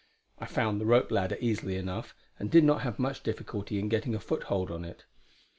I found the rope ladder easily enough, and did not have much difficulty in getting a foothold on it.